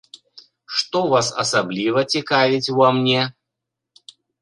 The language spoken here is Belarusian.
Што вас асабліва цікавіць ува мне?